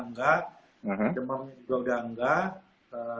enggak jempolnya juga udah enggak